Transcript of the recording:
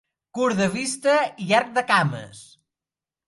Curt de vista i llarg de cames.